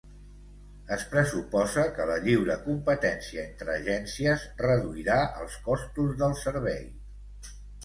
Es pressuposa que la lliure competència entre agències reduirà els costos del servei.